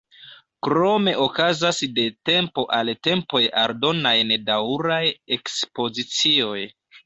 Krome okazas de tempo al tempoj aldonaj nedaŭraj ekspozicioj.